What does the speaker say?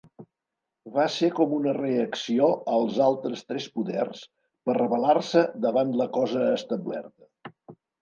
Va ser com una reacció als altres tres poders per rebel·lar-se davant la cosa establerta.